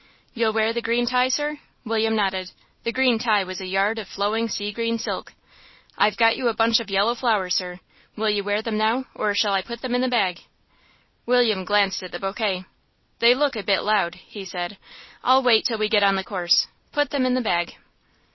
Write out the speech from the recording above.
"You'll wear the green tie, sir?" William nodded. The green tie was a yard of flowing sea green silk. "I've got you a bunch of yellow flowers, sir; will you wear them now, or shall I put them in the bag?" William glanced at the bouquet. "They look a bit loud," he said; "I'll wait till we get on the course; put them in the bag."